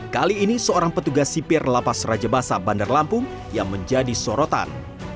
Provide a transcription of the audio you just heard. kali ini seorang petugas sipir lapas raja basa bandar lampung yang menjadi sorotan